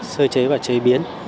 sơ chế và chế biến